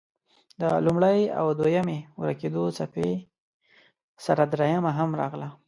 د لومړۍ او دویمې ورکېدو څپې سره دريمه هم راغله.